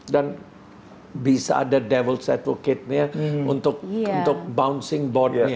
dan bisa ada devil s advocate nya untuk bouncing board nya